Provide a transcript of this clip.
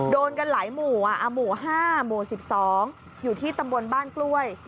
โดนกันหลายหมู่หมู่๕หมู่๑๒อยู่ที่ตำบลบ้านกล้วย